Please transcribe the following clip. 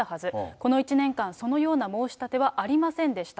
この１年間、そのような申し立てはありませんでした。